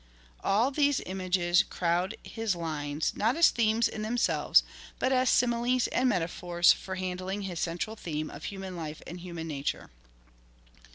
All these images crowd his lines, not as themes in themselves, but as similes and meta phors for handling his central theme of human life and human nature.